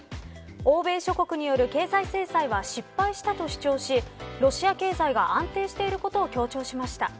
欧米諸国による経済制裁は失敗したと主張しロシア経済が安定していることを強調しました。